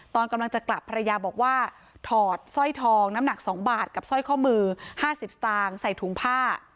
ตอนกำลังจะกลับภรรยาบอกว่าถอดสร้อยทองน้ำหนัก๒บาทกับสร้อยข้อมือ๕๐สตางค์ใส่ถุงผ้า